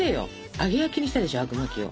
揚げ焼きにしたでしょあくまきを。